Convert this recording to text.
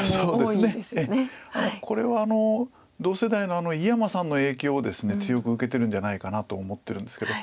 これは同世代の井山さんの影響をですね強く受けてるんじゃないかなと思ってるんですけど。